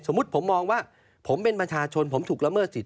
สมมุติผมมองว่าผมเป็นประชาชนผมถูกละเมิดสิทธิ์